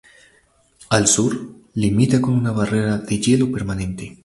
Al sur, limita con una barrera de hielo permanente.